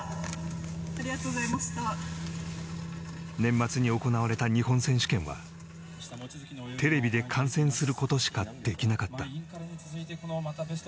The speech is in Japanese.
年末に行われた日本選手権はテレビで観戦することしかできなかった。